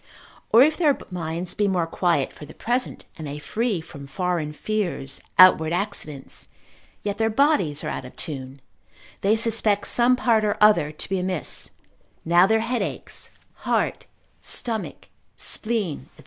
Or if their minds be more quiet for the present, and they free from foreign fears, outward accidents, yet their bodies are out of tune, they suspect some part or other to be amiss, now their head aches, heart, stomach, spleen, &c.